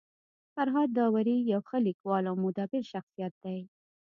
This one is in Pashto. فرهاد داوري يو ښه لیکوال او مدبر شخصيت دی.